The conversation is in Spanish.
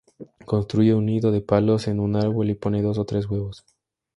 Construye un nido de palos en un árbol y pone dos o tres huevos.